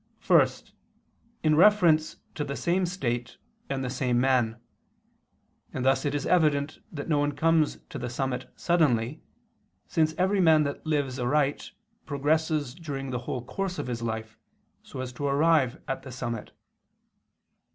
First, in reference to the same state and the same man; and thus it is evident that no one comes to the summit suddenly, since every man that lives aright, progresses during the whole course of his life, so as to arrive at the summit.